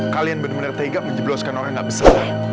kalian bener bener tega menjebloskan orang yang gak besar